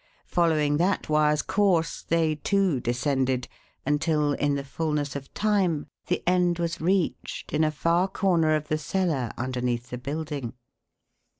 Following that wire's course, they, too, descended until, in the fulness of time, the end was reached in a far corner of the cellar underneath the building.